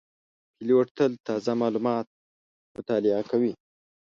پیلوټ تل تازه معلومات مطالعه کوي.